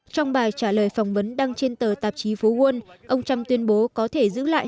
trong bài trả lời phỏng vấn đăng trên tờ tạp chí phố quân ông trump tuyên bố có thể giữ lại